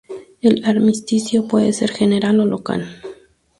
El armisticio puede ser general o local.